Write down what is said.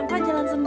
masa jalan sendiri